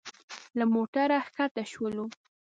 له موټره ښکته شولو.